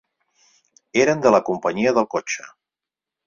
Eren de la companyia del cotxe.